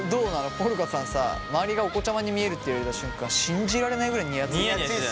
ポルカさんさ周りがお子ちゃまに見えるって言われた瞬間信じられないぐらいにやついてたけど。